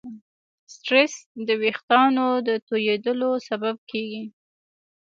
سټرېس د وېښتیانو د تویېدلو سبب کېږي.